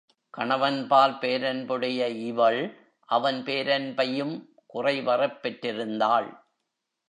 கணவன்பால் பேரன்புடைய இவள், அவன் பேரன்பையும் குறைவறப் பெற்றிருந்தாள்.